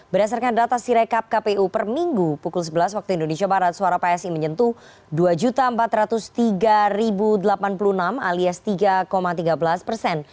berdasarkan data sirekap kpu per minggu pukul sebelas waktu indonesia barat suara psi menyentuh dua empat ratus tiga delapan puluh enam alias tiga tiga belas persen